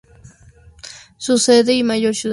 Su sede y mayor ciudad es Richmond.